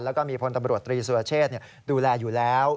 แล้วก็มีพลตำรวจตรีสุรเชษดูแลอยู่แล้ว